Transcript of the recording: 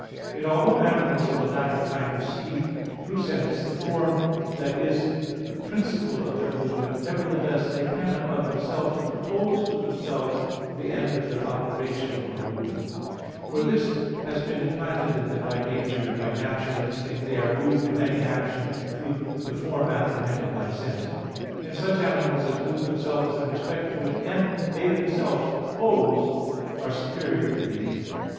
Yet although animals of the latter kind receive through sense the form that is the principle of their movement, nevertheless they cannot of themselves propose to themselves the end of their operation, or movement; for this has been implanted in them by nature; and by natural instinct they are moved to any action through the form apprehended by sense. Hence such animals as move themselves in respect to an end they themselves propose are superior to these.